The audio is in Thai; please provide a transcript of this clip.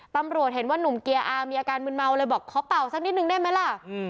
ตำรวจเห็นว่านุ่มเกียร์อาร์มีอาการมืนเมาเลยบอกขอเป่าสักนิดนึงได้ไหมล่ะ